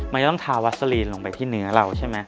มันจะต้องทาวัสลีนลงไปที่เนื้อเราใช่ไหม